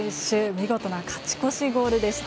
見事な勝ち越しゴールでした。